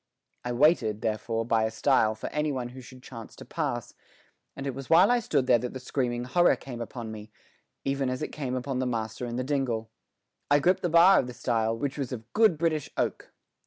I waited, therefore, by a stile for any one who should chance to pass, and it was while I stood there that the screaming horror came upon me, even as it came upon the master in the dingle. I gripped the bar of the stile, which was of good British oak.